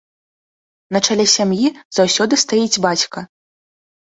На чале сям'і заўсёды стаіць бацька.